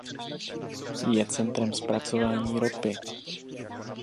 Je centrem zpracování ropy.